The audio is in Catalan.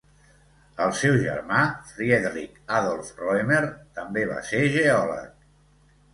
El seu germà, Friedrich Adolph Roemer, també va ser geòleg.